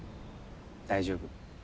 大丈夫。